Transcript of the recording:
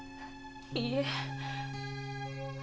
いいえ。